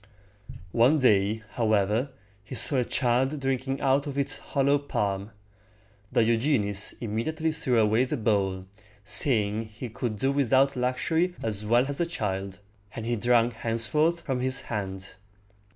One day, however, he saw a child drinking out of its hollow palm. Diogenes immediately threw away the bowl, saying he could do without luxury as well as the child; and he drank henceforth from his hand.